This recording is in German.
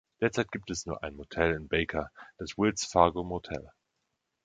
Derzeit gibt es nur ein Motel in Baker, das Wills Fargo Motel.